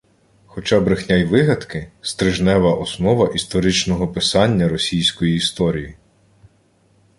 Хоча брехня й вигадки – стрижнева основа історичного «писання» російської історії